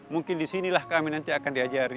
mungkin disinilah kami nanti akan diajari